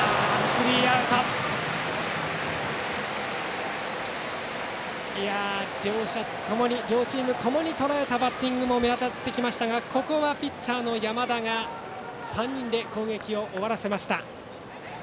スリーアウト。両者ともにとらえたバッティングも目立ってきましたがここはピッチャーの山田が３人で攻撃を終わらせました。